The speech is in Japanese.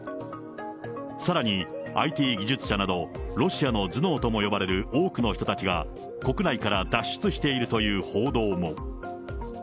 さらに、ＩＴ技術者など、ロシアの頭脳とも呼ばれる多くの人たちが、国内から脱出しているという報道も。